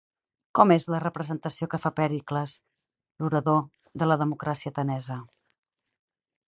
Com és la representació que fa Pèricles, l'orador, de la democràcia atenesa?